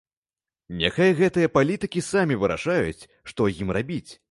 Няхай гэтыя палітыкі самі вырашаюць, што ім рабіць.